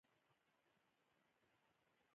راویښ شو